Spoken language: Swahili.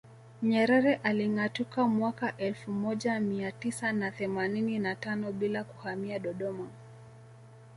Nyerere alingatuka mwaka elfu moja mia tisa na themanini na tano bila kuhamia Dodoma